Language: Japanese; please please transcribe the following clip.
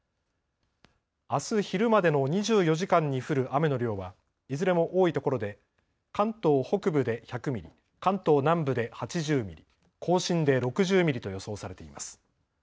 あす昼までの２４時間に降る雨の量はいずれも多いところで関東北部で１００ミリ、関東南部で８０ミリ、甲信で６０ミリと予想されています。